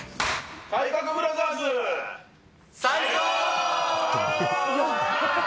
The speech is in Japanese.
体格ブラザーズ最高！